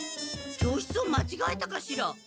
教室をまちがえたかしら？